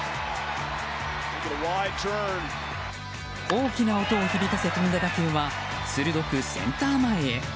大きな打撃音を響かせ飛んだ打球は鋭くセンター前へ。